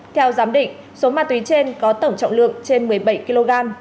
theo giám định số ma túy trên có tổng trọng lượng trên một mươi bảy kg